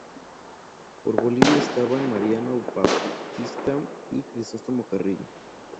Por Bolivia estaban Mariano Baptista y Crisóstomo Carrillo.